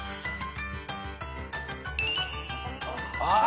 あ。